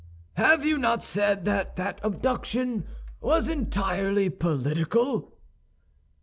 "Have you not said that that abduction was entirely political?"